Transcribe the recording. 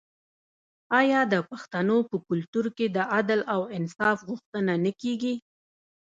آیا د پښتنو په کلتور کې د عدل او انصاف غوښتنه نه کیږي؟